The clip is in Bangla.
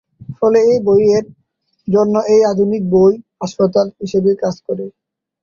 ফলে এটি বইয়ের জন্য এক আধুনিক "বই হাসপাতাল" হিসেবে কাজ করে।